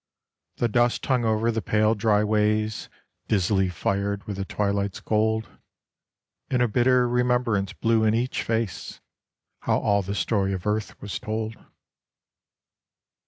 The dust hung over the pale dry ways Dizzily fired with the twilight's gold, And a bitter remembrance blew in each face How all the story of earth was told.